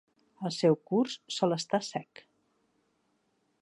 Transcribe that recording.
El seu curs sol estar sec.